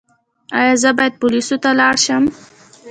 ایا زه باید پولیسو ته لاړ شم؟